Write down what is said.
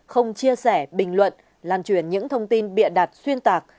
không chia sẻ bình luận lan truyền những thông tin bịa đặt xuyên tạc